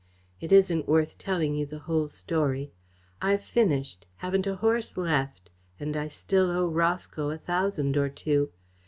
It isn't worth telling you the whole story. I've finished haven't a horse left. And I still owe Roscoe a thousand or two.